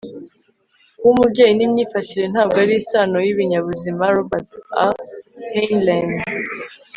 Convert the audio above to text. kuba umubyeyi ni imyifatire, ntabwo ari isano y'ibinyabuzima - robert a heinlein